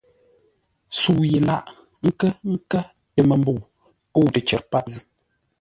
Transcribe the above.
Sə̌u yé lâʼ nkə́-kə̂ tə məmbəu kə̂u təcər páp zʉ́.